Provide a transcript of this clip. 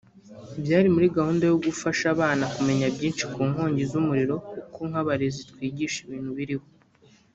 byari muri gahunda yo gufasha abana kumenya byinshi ku nkongi z’umuriro kuko nk’abarezi twigisha ibintu biriho